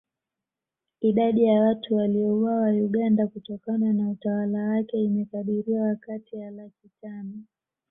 Idadi ya watu waliouawa Uganda kutokana na utawala wake imekadiriwa kati ya laki tano